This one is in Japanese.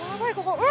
うわ！？